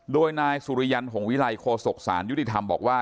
โดยนายสุริยันหงวิลัยโคศกศาลยุติธรรมบอกว่า